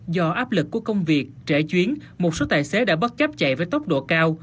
do áp lực của công việc trẻ chuyến một số tài xế đã bất chấp chạy với tốc độ cao